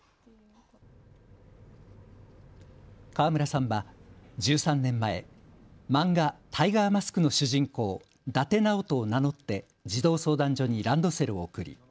河村さんは１３年前、漫画タイガーマスクの主人公、伊達直人を名乗って児童相談所にランドセルを贈り